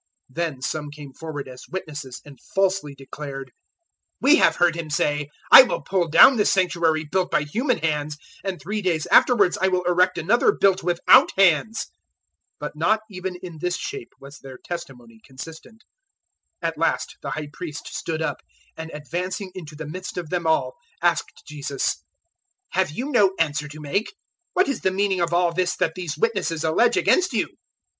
014:057 Then some came forward as witnesses and falsely declared, 014:058 "We have heard him say, 'I will pull down this Sanctuary built by human hands, and three days afterwards I will erect another built without hands.'" 014:059 But not even in this shape was their testimony consistent. 014:060 At last the High Priest stood up, and advancing into the midst of them all, asked Jesus, "Have you no answer to make? What is the meaning of all this that these witnesses allege against you?"